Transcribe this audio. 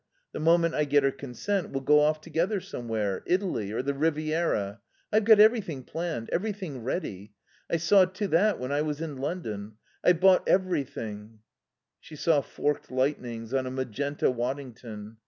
The moment I get her consent we'll go off together somewhere. Italy or the Riviera. I've got everything planned, everything ready. I saw to that when I was in London. I've bought everything " She saw forked lightnings on a magenta Waddington.